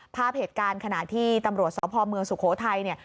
ภาพเหตุการณ์ขณะที่ตำรวจสพเมืองสุโขทัยเนี่ย